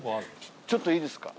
ちょっといいですか？